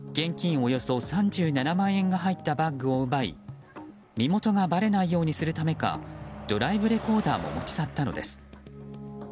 およそ３７万円が入ったバッグを奪い身元がばれないようにするためかドライブレコーダーも持ち去ったのです。